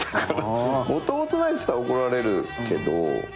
もともとないって言ったら怒られるけど。